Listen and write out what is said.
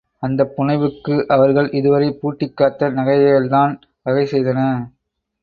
அந்தப் புனைவுக்கு அவர்கள் இது வரை பூட்டிக் காத்த நகைகள்தான் வகை செய்தன.